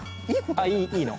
あっいいいいの？